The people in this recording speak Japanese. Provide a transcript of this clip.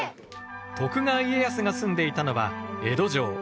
徳川家康が住んでいたのは江戸城。